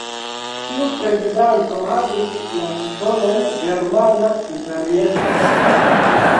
Tiu prezidanto havis la titolon Germana Imperiestro.